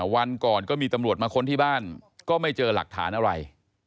วันก่อนก็มีตำรวจมาค้นที่บ้านก็ไม่เจอหลักฐานอะไร